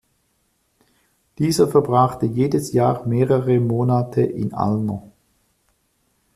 Dieser verbrachte jedes Jahr mehrere Monate in Allner.